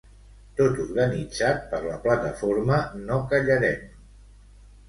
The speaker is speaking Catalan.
Tot organitzat per la plataforma "No Callarem".